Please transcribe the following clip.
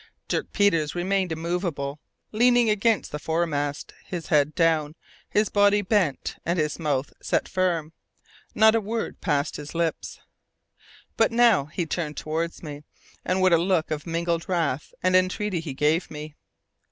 Dirk Peters remained immovable, leaning against the fore mast, his head down, his body bent, and his mouth set firm. Not a word passed his lips. But now he turned towards me, and what a look of mingled wrath and entreaty he gave me!